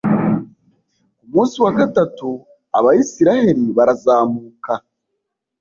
ku munsi wa gatatu, abayisraheli barazamuka